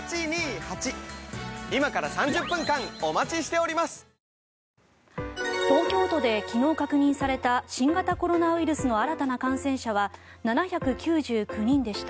不便ですがそうやって東京都で昨日確認された新型コロナウイルスの新たな感染者は７９９人でした。